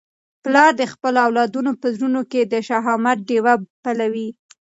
پلار د خپلو اولادونو په زړونو کي د شهامت ډېوه بلوي.